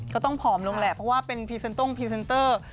ก็ต้องผอมลงแหละเพราะว่าเป็นพรีเซนตรงพรีเซนเตอร์